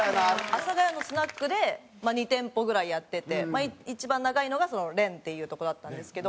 阿佐ヶ谷のスナックで２店舗ぐらいやってて一番長いのが恋っていうとこだったんですけど。